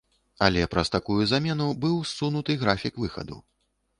Але праз такую замену быў ссунуты графік выхаду.